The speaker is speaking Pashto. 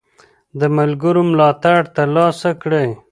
د ملګرو ملاتړ ترلاسه کړئ.